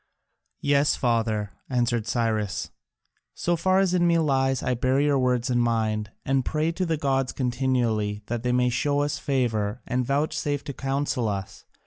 "Yes, father," answered Cyrus, "so far as in me lies, I bear your words in mind, and pray to the gods continually that they may show us favour and vouchsafe to counsel us.